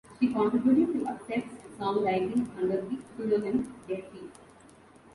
She contributed to Accept's songwriting under the pseudonym Deaffy.